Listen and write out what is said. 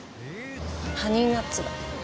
ハニーナッツだ。